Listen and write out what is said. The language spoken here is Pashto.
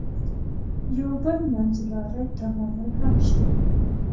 یو بل منځلاری تمایل هم شته.